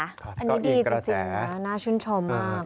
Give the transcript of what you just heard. อันนี้ดีจริงนะน่าชื่นชมมาก